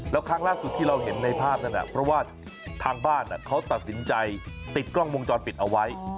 แล้วครั้งล่าสุดที่เราเห็นในภาพนั้นเพราะว่าทางบ้านเขาตัดสินใจติดกล้องวงจรปิดเอาไว้